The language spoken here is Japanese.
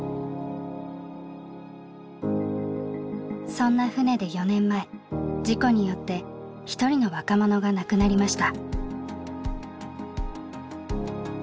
そんな船で４年前事故によって一人の若者が亡くなりました。